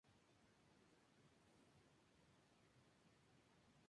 Su novela titulada "Thin Air" fue adaptada dos veces para televisión.